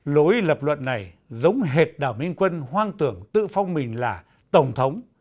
lối lập luận này giống hệt đảo minh quân hoang tưởng tự phong mình là tổng thống